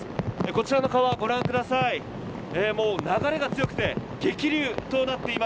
こちらの川、ご覧ください。